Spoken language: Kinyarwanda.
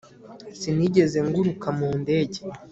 Sinigeze nguruka mu ndege